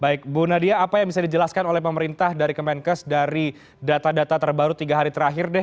baik bu nadia apa yang bisa dijelaskan oleh pemerintah dari kemenkes dari data data terbaru tiga hari terakhir deh